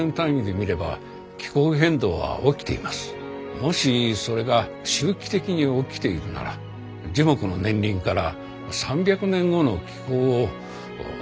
もしそれが周期的に起きているなら樹木の年輪から３００年後の気候を予測するのも夢ではありません。